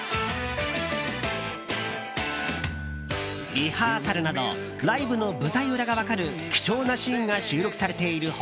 リハーサルなどライブの舞台裏が分かる貴重なシーンが収録されている他。